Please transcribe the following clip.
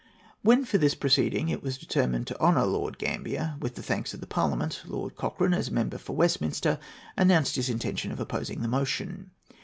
When for this proceeding it was determined to honour Lord Gambier with the thanks of Parliament, Lord Cochrane, as member for Westminster, announced his intention of opposing the motion.